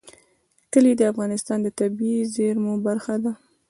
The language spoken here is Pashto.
کلي د افغانستان د طبیعي زیرمو برخه ده.